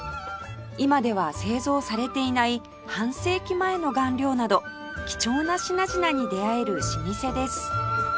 今では製造されていない半世紀前の顔料など貴重な品々に出会える老舗です